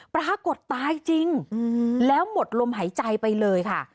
ปรากฏตายจริงแล้วหมดลมหายใจไปเลยค่ะ